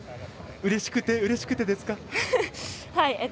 うれしくてうれしくてですか？